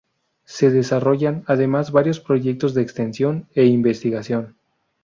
Se desarrollan además varios proyectos de extensión e investigación.